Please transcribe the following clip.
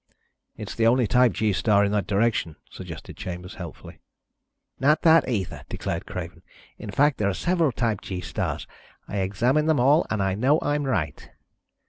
"It's the only type G star in that direction," suggested Chambers, helpfully. "Not that, either," declared Craven. "In fact, there are several type G stars. I examined them all and I know I'm right."